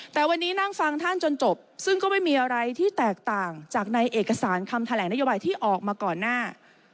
แต่วันนี้นั่งฟังท่านจนจบซึ่งก็ไม่มีอะไรที่แตกต่างจากในเอกสารคำแถลงนโยบายที่ออกมาก่อนหน้า